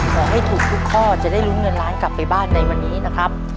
ขอให้ถูกทุกข้อจะได้ลุ้นเงินล้านกลับไปบ้านในวันนี้นะครับ